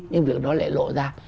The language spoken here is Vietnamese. nhưng việc đó lại lộ ra